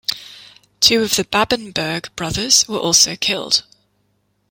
Two of the Babenberg brothers were also killed.